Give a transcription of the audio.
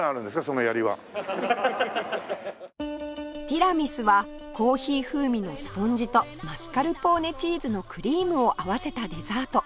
ティラミスはコーヒー風味のスポンジとマスカルポーネチーズのクリームを合わせたデザート